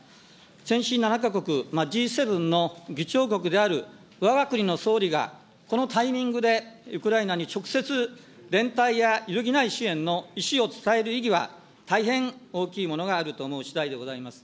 先進７か国・Ｇ７の議長国であるわが国の総理が、このタイミングでウクライナに直接、連帯や揺るぎない支援の意思を伝える意義は、大変大きいものがあると思うしだいでございます。